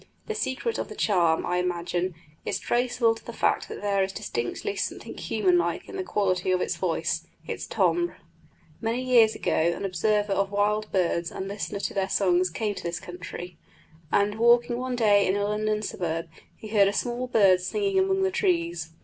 The secret of the charm, I imagine, is traceable to the fact that there is distinctly something human like in the quality of the voice, its timbre. Many years ago an observer of wild birds and listener to their songs came to this country, and walking one day in a London suburb he heard a small bird singing among the trees.